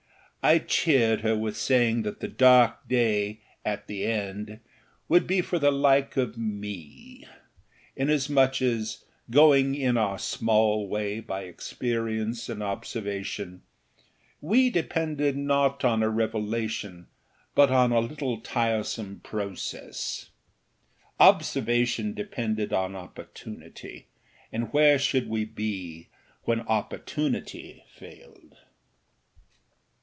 I cheered her with saying that the dark day, at the end, would be for the like of me; inasmuch as, going in our small way by experience and observation, we depended not on a revelation, but on a little tiresome process. Observation depended on opportunity, and where should we be when opportunity failed?